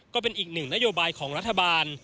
ก็เป็นอีกหนึ่งนโยบายของรัฐบาล